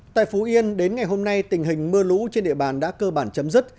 tại phú yên đến ngày hôm nay tình hình mưa lũ trên địa bàn đã cơ bản chấm dứt